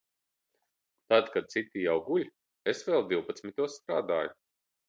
Tad, kad citi jau guļ, es vēl divpadsmitos strādāju.